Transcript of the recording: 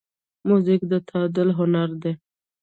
موزیک د تعادل هنر دی.